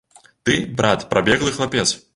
Ты, брат, прабеглы хлапец.